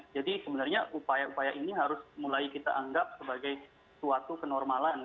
jadi sebenarnya upaya upaya ini harus mulai kita anggap sebagai suatu kenormalan